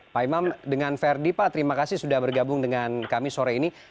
pak imam dengan verdi pak terima kasih sudah bergabung dengan kami sore ini